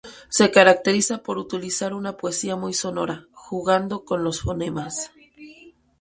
Se caracteriza por utilizar una poesía muy sonora, jugando con los fonemas.